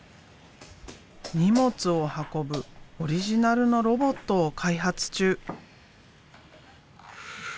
荷物を運ぶオリジナルのロボットを開発中。